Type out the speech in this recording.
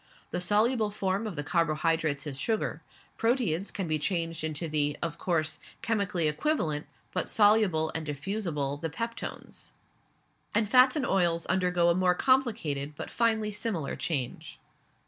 The soluble form of the carbohydrates is sugar; proteids can be changed into the, of course, chemically equivalent but soluble and diffusible the peptones; and fats and oils undergo a more complicated, but finally similar change.